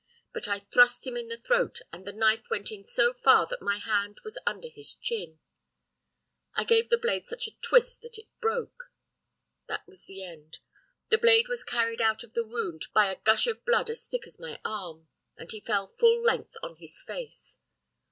But I thrust him in the throat, and the knife went in so far that my hand was under his chin. I gave the blade such a twist that it broke. That was the end. The blade was carried out of the wound by a gush of blood as thick as my arm, and he fell full length on his face.